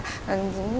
mình cứ làm như thế này